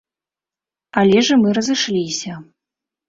Але ж і мы разышліся.